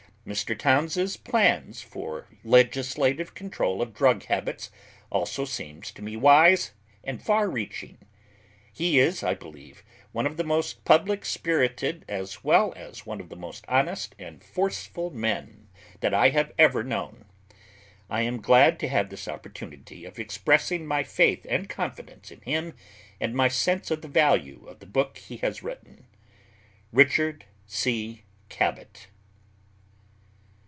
Mr. Towns's plans for legislative control of drug habits also seem to me wise and far reaching. He is, I believe, one of the most public spirited as well as one of the most honest and forceful men that I have ever known. I am glad to have this opportunity of expressing my faith and confidence in him and my sense of the value of the book he has written. RICHARD C. CABOT.